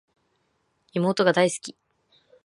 妹が大好き